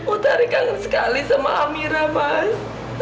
utari kangen sekali sama amira mas